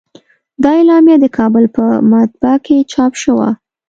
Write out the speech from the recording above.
دا اعلامیه د کابل په مطبعه کې چاپ شوه.